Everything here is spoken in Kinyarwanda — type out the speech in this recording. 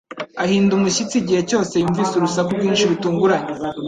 Ahinda umushyitsi igihe cyose yumvise urusaku rwinshi rutunguranye